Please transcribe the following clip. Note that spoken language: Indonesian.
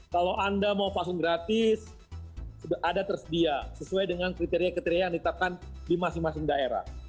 kalau anda mau vaksin gratis ada tersedia sesuai dengan kriteria kriteria yang ditetapkan di masing masing daerah